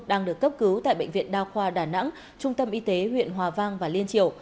đang được cấp cứu tại bệnh viện đa khoa đà nẵng trung tâm y tế huyện hòa vang và liên triều